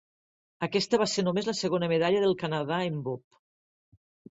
Aquesta va ser només la segona medalla del Canadà en bob.